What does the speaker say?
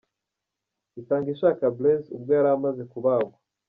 Itangishaka Blaise ubwo yari amaze kubagwa.